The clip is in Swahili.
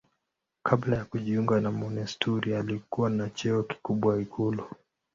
Kabla ya kujiunga na monasteri alikuwa na cheo kikubwa ikulu.